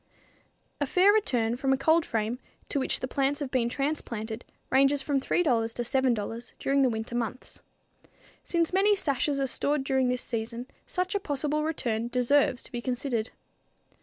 A fair return from a cold frame to which the plants have been transplanted ranges from $3 to $7 during the winter months. Since many sashes are stored during this season, such a possible return deserves to be considered.